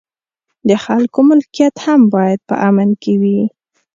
د خلکو ملکیت هم باید په امن کې وي.